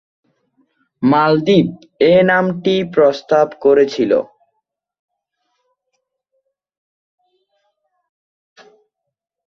মালদ্বীপ এ নামটি প্রস্তাব করেছিল।